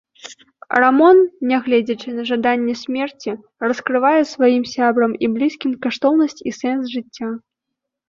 Рамон, нягледзячы на жаданне смерці, раскрывае сваім сябрам і блізкім каштоўнасць і сэнс жыцця.